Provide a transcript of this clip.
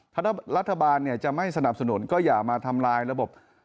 ถ้ารัฐบาลจะไม่สนับสนุนก็อย่ามาทำลายระบบ